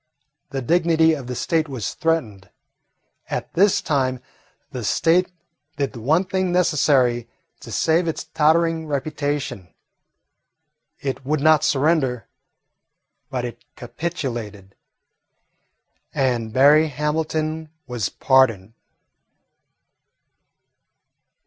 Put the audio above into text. The dignity of the State was threatened. At this time the State did the one thing necessary to save its tottering reputation. It would not surrender, but it capitulated, and Berry Hamilton was pardoned.